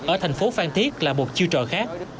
ở thành phố phan thiết là một chiêu trò khác